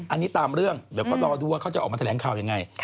อันนี้ตามเรื่องเดี๋ยวก็รอดูว่าเขาจะออกมาแถลงข่าวยังไง